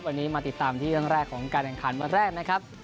วันนี้มาติดตามที่เรื่องแรกของการแข่งขันวันแรกนะครับ